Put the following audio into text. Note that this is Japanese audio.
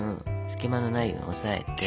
隙間のないように押さえて。